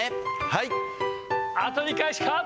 はい。